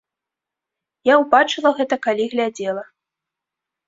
Я ўбачыла гэта, калі глядзела.